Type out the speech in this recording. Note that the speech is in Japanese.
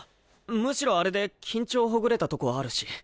むしろあれで緊張ほぐれたとこあるし。